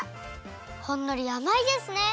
ほんのりあまいですね！